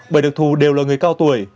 bởi được thù đều là người cao tuổi